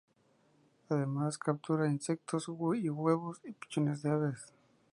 Además captura insectos, y huevos y pichones de aves.